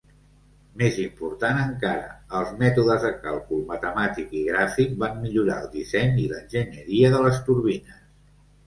Més important encara, els mètodes de càlcul matemàtic i gràfic van millorar el disseny i l'enginyeria de les turbines.